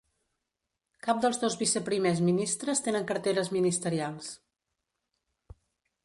Cap dels dos vice-primers ministres tenen carteres ministerials.